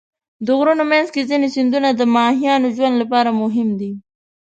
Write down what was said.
د غرونو منځ کې ځینې سیندونه د ماهیانو ژوند لپاره مهم دي.